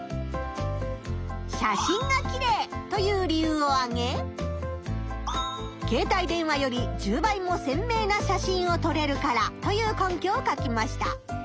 「写真がきれい」という理由をあげ「携帯電話より１０倍もせんめいな写真をとれるから」という根拠を書きました。